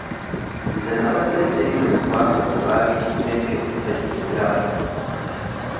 Nze nnabadde siri mu ggwanga we baabikidde nti omusajja oli afudde.